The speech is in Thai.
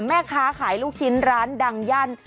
แม่ค้าขายลูกชิ้นร้านดังย่าน